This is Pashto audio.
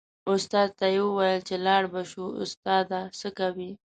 استاد ته یې و ویل چې لاړ به شو استاده څه کوې.